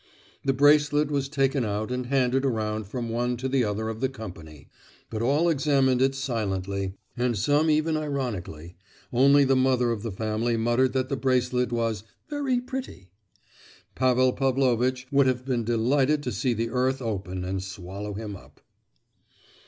The bracelet was taken out and handed around from one to the other of the company; but all examined it silently, and some even ironically, only the mother of the family muttered that the bracelet was "very pretty." Pavel Pavlovitch would have been delighted to see the earth open and swallow him up.